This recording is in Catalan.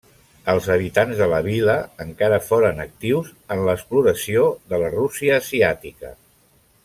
Els habitants de la vila encara foren actius en l'exploració de la Rússia asiàtica.